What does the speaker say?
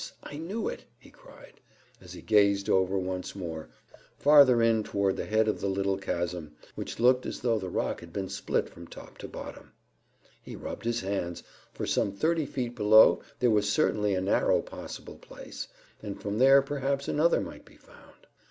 I knew it!" he cried, as he gazed over once more, farther in toward the head of the little chasm, which looked as though the rock had been split from top to bottom. He rubbed his hands, for some thirty feet below there was certainly a narrow possible place, and from there perhaps another might be found.